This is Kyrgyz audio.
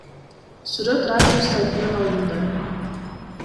Сүрөт Радиус сайтынан алынды.